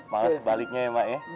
males sebaliknya ya emak ya